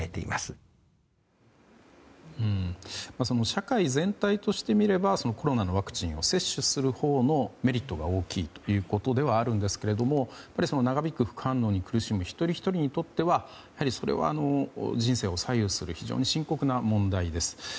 社会全体としてみればコロナのワクチン接種するほうのメリットが大きいということではあるんですけど長引く副反応に苦しむ一人ひとりにとってはそれは人生を左右する非常に深刻な問題です。